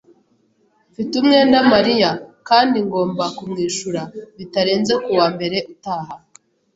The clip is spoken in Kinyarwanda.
Mfite umwenda Mariya kandi ngomba kumwishura bitarenze kuwa mbere utaha.